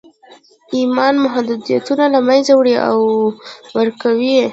ایمان محدودیتونه له منځه وړي او ورکوي یې